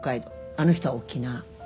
あの人は沖縄。